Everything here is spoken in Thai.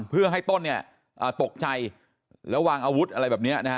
เพื่อให้ต้นเนี่ยตกใจแล้ววางอาวุธอะไรแบบนี้นะฮะ